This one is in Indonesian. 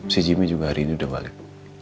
x jimmy juga hari ini udah balik